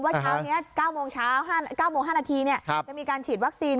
เช้านี้๙โมง๕นาทีจะมีการฉีดวัคซีน